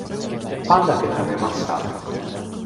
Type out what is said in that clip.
パンだけ食べました。